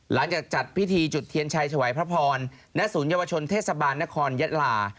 จัดพิธีจุดเทียนชัยถวายพระพรณศูนยวชนเทศบาลนครยะลา